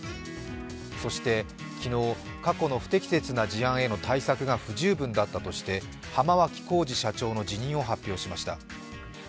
そして昨日、過去の不適切な事案への対策が不十分だったとして浜脇浩次社長の辞任を発表しました。